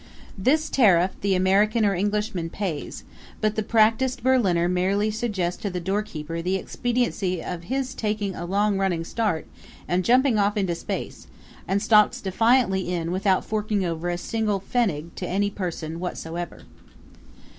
This tariff the American or Englishman pays, but the practiced Berliner merely suggests to the doorkeeper the expediency of his taking a long running start and jumping off into space, and stalks defiantly in without forking over a single pfennig to any person whatsoever.